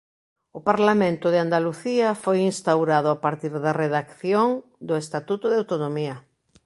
O Parlamento de Andalucía foi instaurado a partir da redacción do Estatuto de Autonomía.